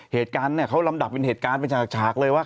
เหตุการณ์เขาลำดับเป็นเหตุการณ์เป็นฉากเลยว่า